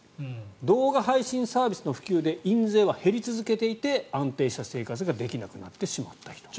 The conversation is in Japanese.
動画配信サービスの普及で印税は減り続けていて安定した生活ができなくなってしまった人もいる。